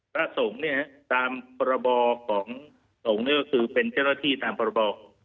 พระสงฆ์เนี่ยตามพรบของสงฆ์นี่ก็คือเป็นเจ้าหน้าที่ตามพรบ